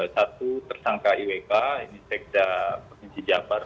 satu tersangka iwk ini sekda provinsi jabar